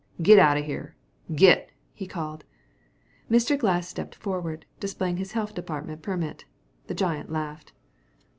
"Git outer here git," he called. Mr. Glass stepped forward, displaying his Health Department permit. The giant laughed.